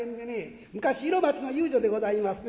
昔色街の遊女でございますね。